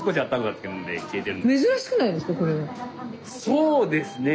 そうですねえ。